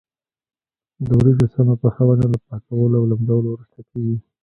د وریجو سمه پخونه له پاکولو او لمدولو وروسته کېږي.